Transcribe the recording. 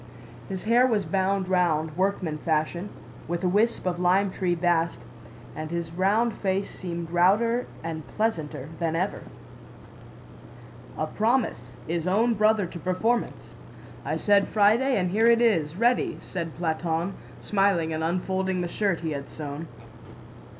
His hair was bound round, workman fashion, with a wisp of lime tree bast, and his round face seemed rounder and pleasanter than ever. "A promise is own brother to performance! I said Friday and here it is, ready," said Platón, smiling and unfolding the shirt he had sewn.